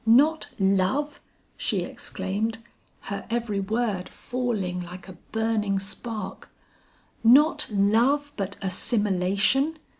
'Not love!' she exclaimed, her every word falling like a burning spark, 'not love but assimilation!